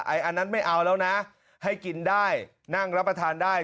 อันนั้นไม่เอาแล้วนะให้กินได้นั่งรับประทานได้